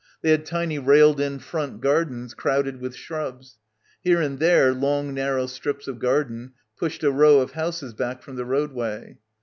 They had tiny railed in front gardens crowded with shrubs. Here and there long narrow strips of garden pushed a row of houses back from the roadway.